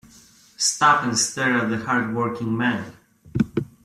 Stop and stare at the hard working man.